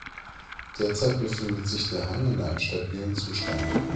Derzeit befindet sich der Hang in einem stabilen Zustand.